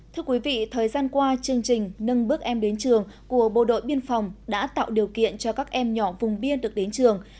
thưa quý vị thời gian qua chương trình nâng bước em đến trường của bộ đội biên phòng đã tạo điều kiện cho các em nhỏ vùng biên được đến trường